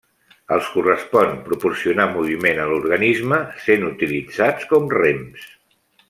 Els correspon proporcionar moviment a l'organisme sent utilitzats com rems.